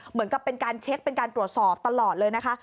เหมือนกับเป็นการเช็คเป็นการตรวจสอบตลอดเลยนะคะ